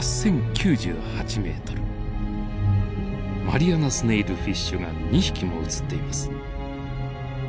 マリアナスネイルフィッシュが２匹も映っています。